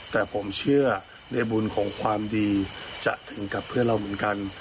แต่ผมเชื่อในบุญของความดีจะถึงกับเพื่อนเราเหมือนกัน